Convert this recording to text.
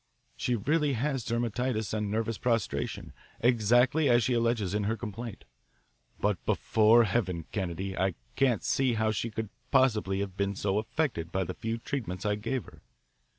She really has dermatitis and nervous prostration, exactly as she alleges in her complaint. But, before Heaven, Kennedy, I can't see how she could possibly have been so affected by the few treatments I gave her.